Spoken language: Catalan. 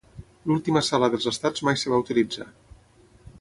L'última sala dels Estats mai es va utilitzar.